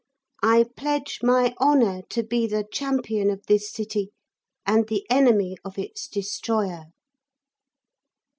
I pledge my honour to be the champion of this city, and the enemy of its Destroyer.'